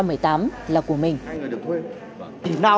bà bảo là lau đi thì lau